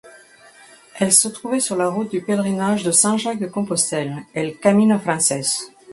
Elle se trouvait sur la route du pèlerinage de Saint-Jacques-de-Compostelle, el Camino francés.